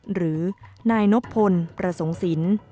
หรือนายนบพลประสงสิน